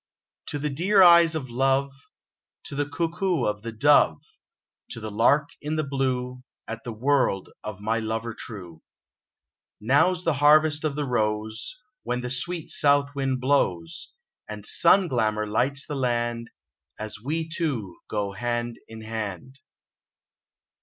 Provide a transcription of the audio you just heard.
To the dear eyes of love, To the coo coo of the dove, To the lark in the blue, At the word of my lover true. Now's the harvest of the rose, When the sweet south wind blows, And sun glamour lights the land, As we two go hand in hand